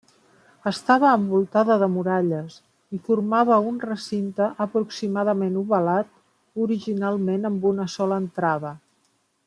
Estava envoltada de muralles, i formava un recinte aproximadament ovalat, originalment amb una sola entrada.